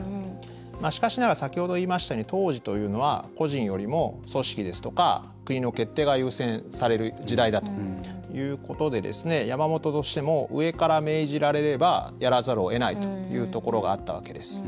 しかしながら先ほど言いましたように当時というのは個人よりも組織ですとか国の決定が優先される時代だということで山本としても上から命じられればやらざるをえないというところがあったわけです。